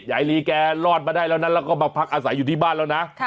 ยายลีแกรอดมาได้แล้วนะแล้วก็มาพักอาศัยอยู่ที่บ้านแล้วนะ